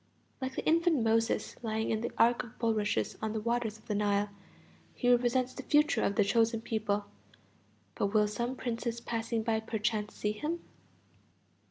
Like the infant Moses lying in the ark of bulrushes on the waters of the Nile he represents the future of the chosen people; but will some princess passing by perchance see him?